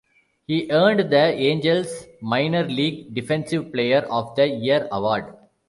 He earned the Angels' minor league Defensive Player of the Year award.